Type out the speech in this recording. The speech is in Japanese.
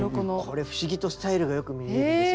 これ不思議とスタイルがよく見えるんですよ。